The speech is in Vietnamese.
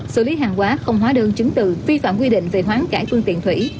xử lý hàng hóa không hóa đơn chứng từ vi phạm quy định về hoán cãi phương tiện thủy